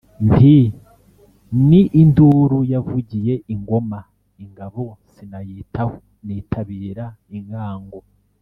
Nti: Ni induru yavugiye i Ngoma, ingabo sinayitaho nitabira ingango,